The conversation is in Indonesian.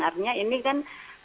artinya ini kan